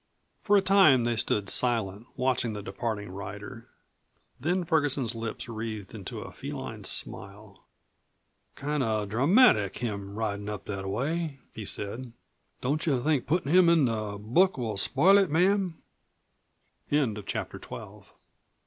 For a time they stood silent, watching the departing rider. Then Ferguson's lips wreathed into a feline smile. "Kind of dramatic, him ridin' up that a way," he said. "Don't you think puttin' him in the book will spoil it, ma'am?" CHAPTER XIII "DO YOU SMOKE?"